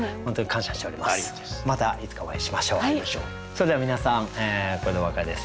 それでは皆さんこれでお別れです。